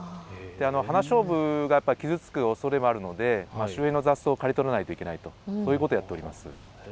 ハナショウブが傷つくおそれがあるので周辺の雑草を刈り取らないといけないということをしています。